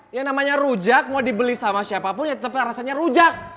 yang namanya rujak mau dibeli sama siapapun ya tapi rasanya rujak